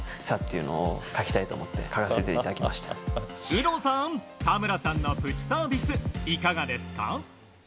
有働さん田村さんのプチサービスいかがですか？